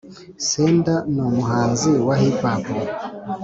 Sender numuhanzi wa hipapu